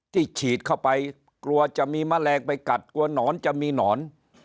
ฉีดเข้าไปกลัวจะมีแมลงไปกัดกลัวหนอนจะมีหนอน